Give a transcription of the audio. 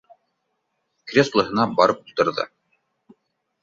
Кресло һына барып ултырҙы: